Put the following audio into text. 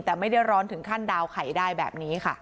แต่ไม่ได้ร้อนถึงขั้นดาวไข่ได้แบบนี้ค่ะ